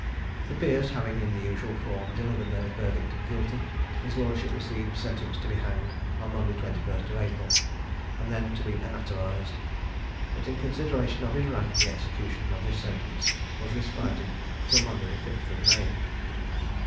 The peers having in the usual form delivered their verdict of Guilty, his lordship received sentence to be hanged on Monday the 21st of April, and then to be anatomized; but, in consideration of his rank, the execution of this sentence was respited till Monday the 5th of May.